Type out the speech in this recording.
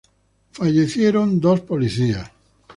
Fallecieron dos policías.